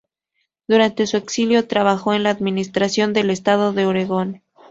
Durante su exilio trabajó en la administración del Estado de Oregón.